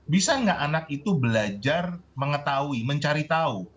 bisa nggak anak itu belajar mengetahui mencari tahu